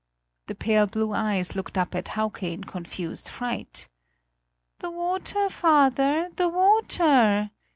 The pale blue eyes looked up at Hauke in confused fright: "The water, father! The water!"